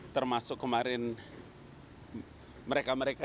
termasuk kemarin mereka mereka